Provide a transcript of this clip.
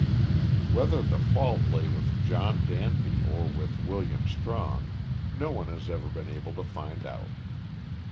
Whether the fault lay with John Danby or with William Strong no one has ever been able to find out.